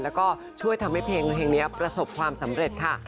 แล้วก็ช่วยทำให้เพลงนี้ประสบความสำเร็จค่ะ